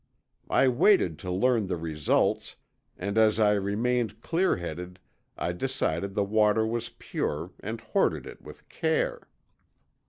I waited to learn the results, and as I remained clear headed, I decided the water was pure and hoarded it with care.